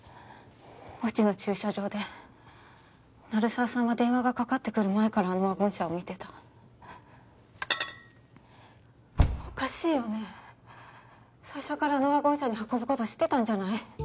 墓地の駐車場で鳴沢さんは電話がかかってくる前からあのワゴン車を見てたおかしいよね最初からあのワゴン車に運ぶこと知ってたんじゃない？